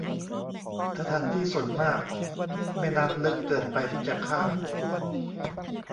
สถานที่ส่วนมาก แม่น้ำลึกเกินไปที่จะข้าม